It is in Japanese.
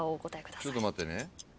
ちょっと待ってね。